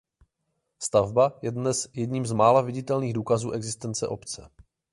Stavba je dnes jedním z mála viditelných důkazů existence obce.